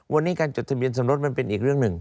วันนี้การจดทะเบียนสมรสมันเป็นอีกเรื่องหนึ่ง